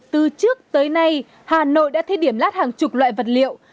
từ trước tới nay hà nội đã thế điểm lát hàng chục loại vật liệu